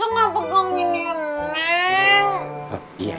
maksudnya apa kangenya neng